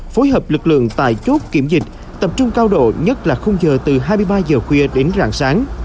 phối hợp lực lượng tại chốt kiểm dịch tập trung cao độ nhất là không chờ từ hai mươi ba h khuya đến rạng sáng